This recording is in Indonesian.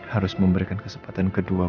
harus memberikan kesempatan kedua